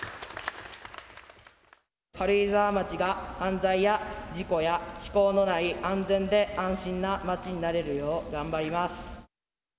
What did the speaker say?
軽井沢町が犯罪や事故や非行のない安全で安心な町になれるよう頑張ります。